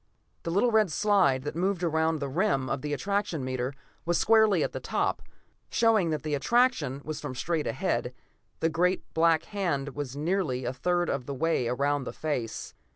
The little red slide that moved around the rim of the attraction meter was squarely at the top, showing that the attraction was from straight ahead; the great black hand was nearly a third of the way around the face.